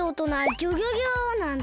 ギョギョ